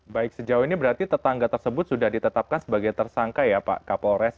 baik sejauh ini berarti tetangga tersebut sudah ditetapkan sebagai tersangka ya pak kapolres